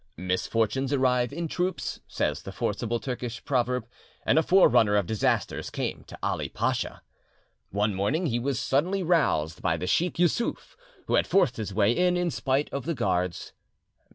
"Misfortunes arrive in troops," says the forcible Turkish proverb, and a forerunner of disasters came to Ali Dacha. One morning he was suddenly roused by the Sheik Yussuf, who had forced his way in, in spite of the guards.